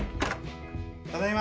ただいま。